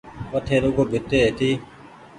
وٺ رگون ڀيٽي هيتي